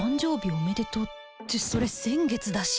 おめでとうってそれ先月だし